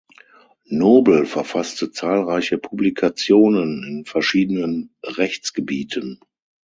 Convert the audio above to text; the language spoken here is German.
Nobel verfasste zahlreiche Publikationen in verschiedenen Rechtsgebieten.